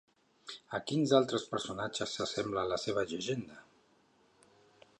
A quins altres personatges s'assembla la seva llegenda?